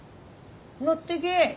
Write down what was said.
乗ってけ。